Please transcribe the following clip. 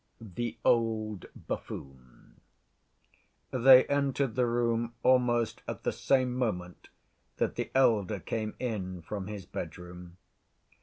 The Old Buffoon They entered the room almost at the same moment that the elder came in from his bedroom.